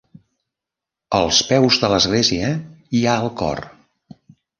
Als peus de l'església hi ha el cor.